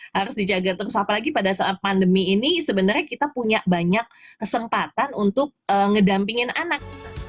harus dijaga terus apalagi pada saat pandemi ini sebenarnya kita punya banyak kesempatan untuk ngedampingin anak